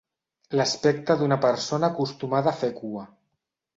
L'aspecte d'una persona acostumada a fer cua.